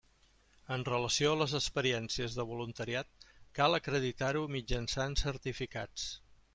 En relació a les experiències de voluntariat cal acreditar-ho mitjançant certificats.